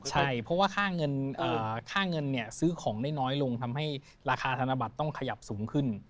ใช่เพราะว่าค่าเงินซื้อของได้น้อยลงทำให้ราคาธนบัตรต้องขยับสูงขึ้น